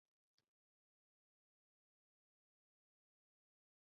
জাতিদুষ্ট অন্নভোজন সম্বন্ধে ভারতবর্ষের মত শিক্ষার স্থল এখনও পৃথিবীতে কোথাও নেই।